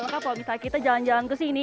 maka kalau misalnya kita jalan jalan ke sini